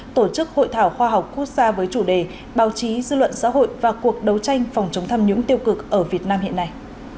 tổ chức hội thảo khoa học quốc gia với chủ đề báo chí dư luận xã hội và cuộc đấu tranh phòng chống tham nhũng tiêu cực ở việt nam hiện nay